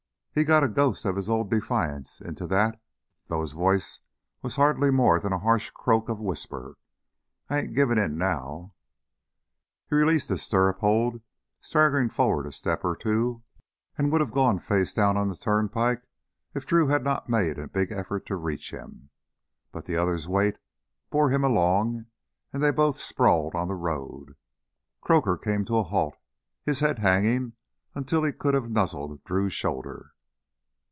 He got a ghost of his old defiance into that, though his voice was hardly more than a harsh croak of whisper. "I ain't givin' in now!" He leased his stirrup hold, staggering forward a step or two, and would have gone face down on the turnpike if Drew had not made a big effort to reach him. But the other's weight bore him along, and they both sprawled on the road. Croaker came to a halt, his head hanging until he could have nuzzled Drew's shoulder.